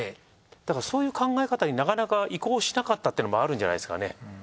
だからそういう考え方になかなか移行しなかったってのもあるんじゃないですかね。